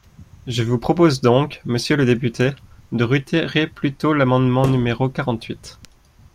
Je vous propose donc, monsieur le député, de retirer plutôt l’amendement numéro quarante-huit.